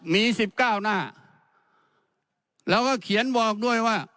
มี๑๙หน้าแล้วก็เขียนบอกด้วยว่า